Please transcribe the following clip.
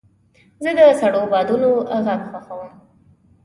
زه د سړو بادونو غږ خوښوم.